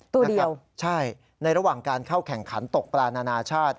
ใช่นะครับใช่ในระหว่างการเข้าแข่งขันตกปลานานาชาติ